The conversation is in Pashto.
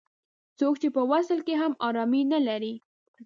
څوک چې په وصل کې هم ارامي نه لري.